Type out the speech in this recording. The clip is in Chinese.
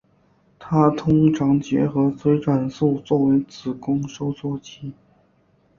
它通常结合催产素作为子宫收缩剂。